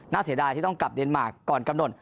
เสียดายที่ต้องกลับเดนมาร์คก่อนกำหนด